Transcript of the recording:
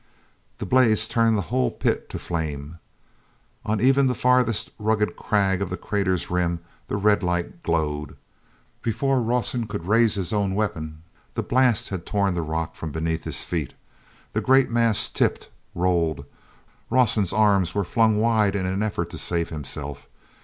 The blaze turned the whole pit to flame. On even the farthest rugged crag of the crater's rim the red light glowed. Before Rawson could raise his own weapon the blast had torn the rock from beneath his feet. The great mass tipped, rolled. Rawson's arms were flung wide in an effort to save himself.